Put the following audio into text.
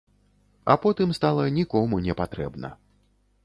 А потым стала нікому не патрэбна.